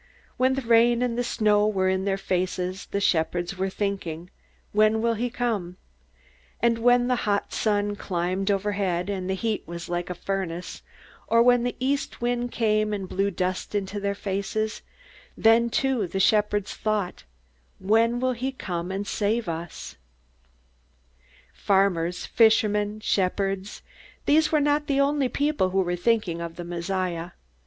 When the rain and the snow were in their faces, the shepherds were thinking, When will he come? And when the hot sun climbed overhead, and the heat was like a furnace, or when the east wind came and blew dust in their faces, then too the shepherds thought, When will he come and save us? Farmers, fishermen, shepherds these were not the only people who were thinking of the Messiah.